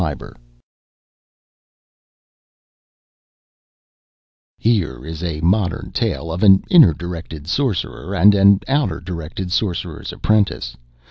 Here is a modern tale of an inner directed sorcerer and an outer directed sorcerer's apprentice